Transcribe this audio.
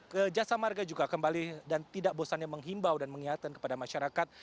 ke jasa marga juga kembali dan tidak bosannya menghimbau dan mengingatkan kepada masyarakat